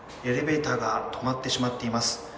エレベーターが止まってしまっています。